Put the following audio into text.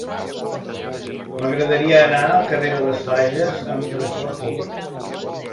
M'agradaria anar al carrer de les Fages amb trasport públic.